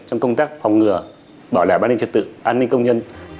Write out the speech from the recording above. trong công tác phòng ngừa bỏ lại ban ninh trật tự an ninh công nhân